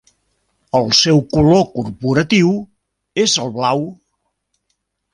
El seu color corporatiu és el blau.